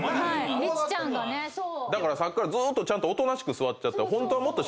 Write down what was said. だからさっきからずーっとおとなしく座っちゃって。